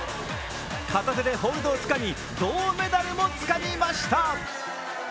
片手でホールドをつかみ銅メダルもつかみました。